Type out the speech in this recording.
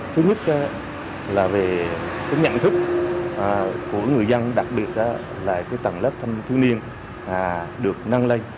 thứ nhất là về cái nhận thức của người dân đặc biệt là cái tầng lớp thanh thiếu niên được nâng lên